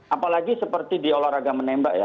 apalagi seperti di olahraga menembak ya